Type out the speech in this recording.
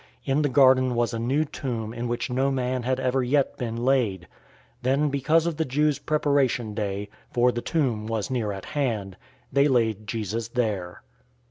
In the garden was a new tomb in which no man had ever yet been laid. 019:042 Then because of the Jews' Preparation Day (for the tomb was near at hand) they laid Jesus there.